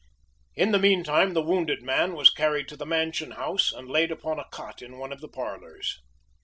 In the meantime the wounded man was carried to the mansion house and laid upon a cot in one of the parlors.